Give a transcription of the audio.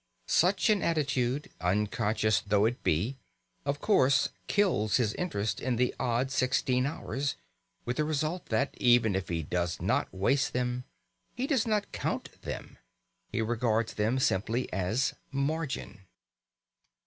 Such an attitude, unconscious though it be, of course kills his interest in the odd sixteen hours, with the result that, even if he does not waste them, he does not count them; he regards them simply as margin.